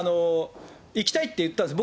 行きたいって言ったんです。